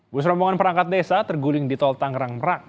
bus rombongan perangkat desa terguling di tol tangerang merak